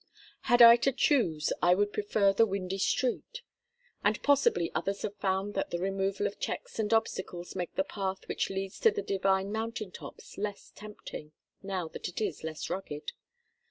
Had I to choose, I would prefer the windy street. And possibly others have found that the removal of checks and obstacles makes the path which leads to the divine mountain tops less tempting, now that it is less rugged.